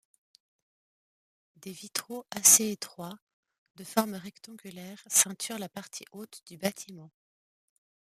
Des vitraux assez étroits, de forme rectangulaire ceinturent la partie haute du bâtiment.